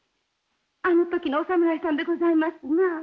あの時のお侍さんでございますなあ。